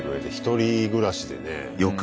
１人暮らしでね